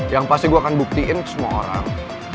yang pasti gue akan buktiin semua orang